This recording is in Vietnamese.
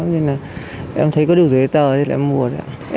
nhưng là em thấy có đủ giấy tờ thì em mua